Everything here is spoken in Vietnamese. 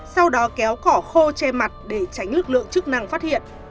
sau đó kéo cỏ khô che mặt để tránh lực lượng chức năng phát hiện